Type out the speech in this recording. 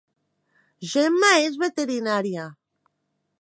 Gemma és veterinària